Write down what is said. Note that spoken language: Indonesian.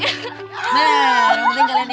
nah yang penting kalian ikut